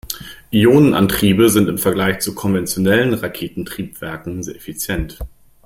Ionenantriebe sind im Vergleich zu konventionellen Raketentriebwerken sehr effizient.